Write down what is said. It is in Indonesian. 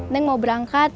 neng mau berangkat